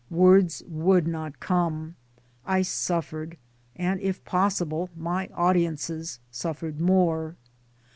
Words would not come. I suffered ; and if possible my audiences suffered more